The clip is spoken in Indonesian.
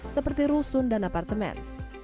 seperti rusun dan apartemen